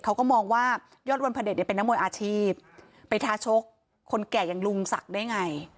เขาก็มองว่ายอดวันพระเด็จเนี่ยเป็นนักมวยอาชีพไปท้าชกคนแก่อย่างลุงศักดิ์ได้ไง